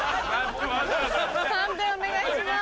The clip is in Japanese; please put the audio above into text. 判定お願いします。